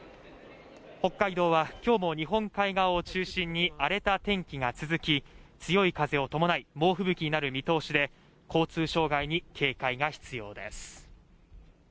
北海道はきょうも日本海側を中心に荒れた天気が続き強い風を伴い猛吹雪になる見通しで交通障害に警戒が必要です